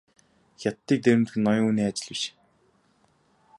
Хятадыг дээрэмдэх нь ноён хүний ажил биш.